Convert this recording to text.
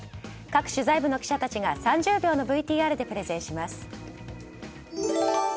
各取材部の記者たちが３０秒のＶＴＲでプレゼンします。